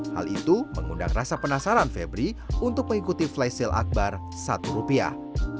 hal itu mengundang rasa penasaran febri untuk mengikuti flash sale akbar satu rupiah